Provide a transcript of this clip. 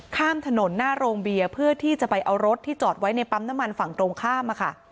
ข้ามถนนหน้าโรงเบียร์เพื่อที่จะไปเอารถที่จอดไว้ในปั๊มน้ำมันฝั่งตรงข้าม